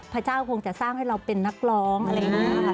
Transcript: พระเจ้าคงจะสร้างให้เราเป็นนักร้องอะไรอย่างนี้ค่ะ